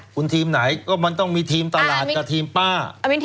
คุณทีมไหนก็มันต้องมีทีมตลาดกับทีมป้า